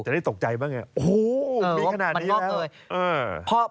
ได้ตกใจบ้างไงโอ้โหมีขนาดนี้แล้ว